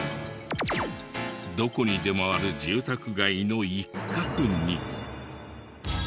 どこにでもある住宅街の一角に。